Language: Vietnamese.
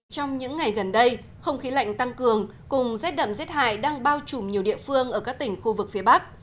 trong những ngày gần đây không khí lạnh tăng cường cùng rét đậm rét hại đang bao trùm nhiều địa phương ở các tỉnh khu vực phía bắc